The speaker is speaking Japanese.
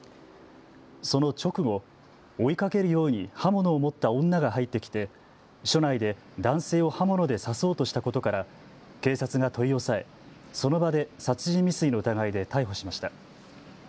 その直後、追いかけるように刃物を持った女が入ってきて署内で男性を刃物で刺そうとしたことから警察が取り押さえその場で殺人未遂の疑いで逮捕しました。